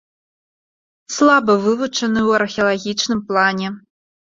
Слаба вывучаны ў археалагічным плане.